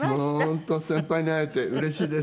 本当先輩に会えてうれしいです。